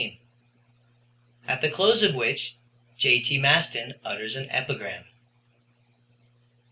AT THE CLOSE OF WHICH J.T. MASTON UTTERS AN EPIGRAM.